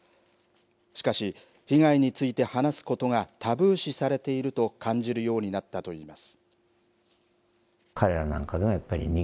しかし、被害について話すことがタブー視されていると感じるようになったといいます。